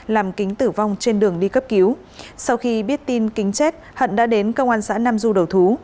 làm kính tử vong trên đường đi cấp cứu sau khi biết tin kính chết hận đã đến công an xã nam du đầu thú